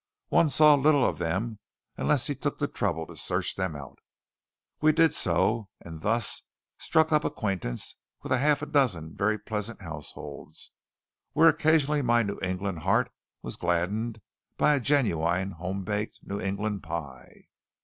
One saw little of them unless he took the trouble to search them out. We did so, and thus struck up acquaintance with a half dozen very pleasant households, where occasionally my New England heart was gladdened by a genuine homebaked New England pie.